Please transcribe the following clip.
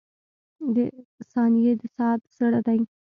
• ثانیې د ساعت زړه دی.